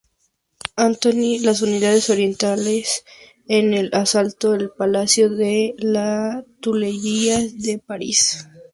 Antoine, las unidades orientales, en el asalto al palacio de la Tullerías de París.